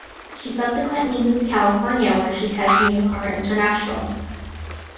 She subsequently moved California where she heads Miyohara International.